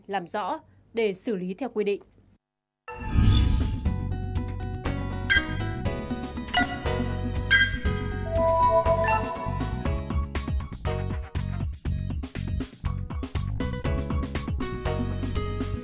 làm rõ để xử lý theo quy định